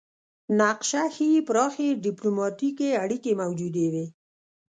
نقشه ښيي پراخې ډیپلوماتیکې اړیکې موجودې وې